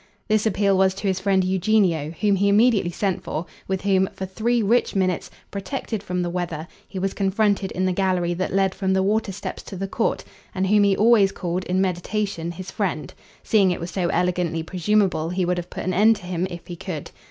This appeal was to his friend Eugenio, whom he immediately sent for, with whom, for three rich minutes, protected from the weather, he was confronted in the gallery that led from the water steps to the court, and whom he always called, in meditation, his friend; seeing it was so elegantly presumable he would have put an end to him if he could.